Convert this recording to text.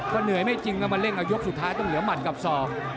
ก็เหนื่อยไม่จริงก็มาเร่งเอายกสุดท้ายต้องเหลือหมัดกับศอก